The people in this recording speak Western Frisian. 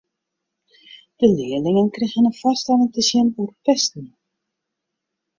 De learlingen krigen in foarstelling te sjen oer pesten.